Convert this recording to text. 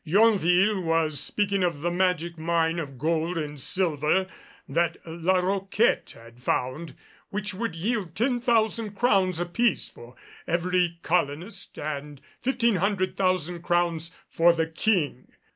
Yonville was speaking of the magic mine of gold and silver that La Roquette had found which would yield ten thousand crowns apiece for every colonist and fifteen hundred thousand crowns for the King.